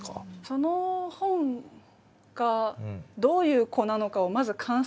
その本がどういう子なのかをまず観察することが。